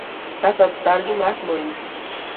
რასაც დარგი მას მოიმკი